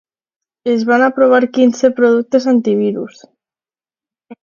Es van provar quinze productes antivirus.